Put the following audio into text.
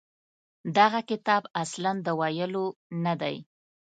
دغه کتاب اصلاً د ویلو نه دی.